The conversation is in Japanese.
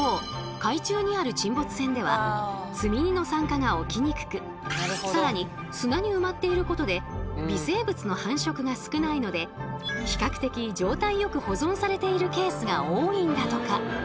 海中にある沈没船では積荷の酸化が起きにくく更に砂に埋まっていることで微生物の繁殖が少ないので比較的状態よく保存されているケースが多いんだとか。